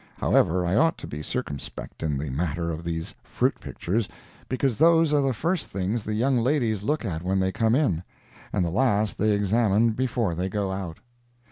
However, I ought to be circumspect in the matter of these fruit pictures, because those are the first things the young ladies look at when they come in, and the last they examine before they go out.